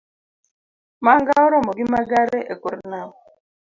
Manga oromo gi magare ekor nam